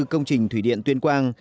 công trình thủy điện tuyên quang